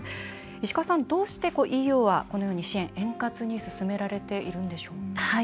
石川さん、どうしてＥＵはこのように支援、円滑に進められているんでしょうか？